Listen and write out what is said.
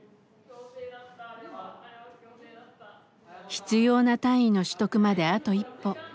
必要な単位の取得まであと一歩。